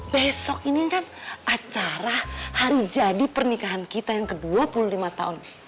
besok ini kan acara hari jadi pernikahan kita yang ke dua puluh lima tahun